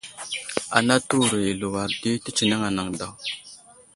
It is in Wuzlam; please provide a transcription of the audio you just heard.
Ana təwuro i aluwar di tətsineŋ anaŋ daw.